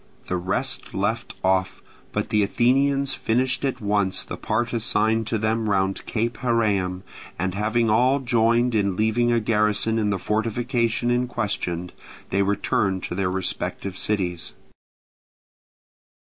The rest left off; but the Athenians finished at once the part assigned to them round Cape Heraeum; and having all joined in leaving a garrison in the fortification in question, they returned to their respective cities.